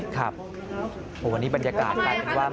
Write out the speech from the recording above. ครับวันนี้บรรยากาศกลายเป็นว่า